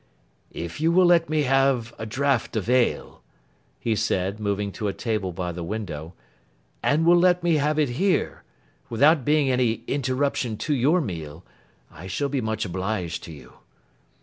'If you will let me have a draught of ale,' he said, moving to a table by the window, 'and will let me have it here, without being any interruption to your meal, I shall be much obliged to you.